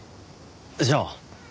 じゃあ。